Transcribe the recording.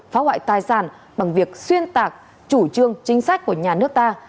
phá hoại tài sản bằng việc xuyên tạc chủ trương chính sách của nhà nước ta